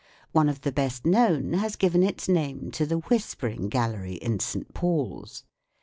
One of th< best known has given its name to the Whisper ing Gallery in St. Paul's.